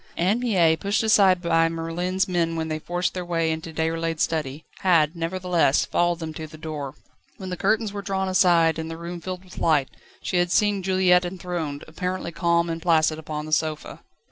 Anne Mie, pushed aside by Merlin's men when they forced their way into Déroulède's study, had, nevertheless, followed them to the door. When the curtains were drawn aside and the room filled with light, she had seen Juliette enthroned, apparently calm and placid, upon the sofa.